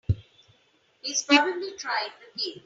He's probably trying the gate!